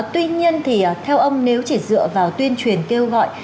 tuy nhiên thì theo ông nếu chỉ dựa vào tuyên truyền kêu gọi